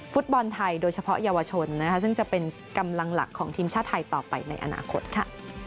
ฟุตบอลไทยโดยเฉพาะเยาวชนนะคะซึ่งจะเป็นกำลังหลักของทีมชาติไทยต่อไปในอนาคตค่ะ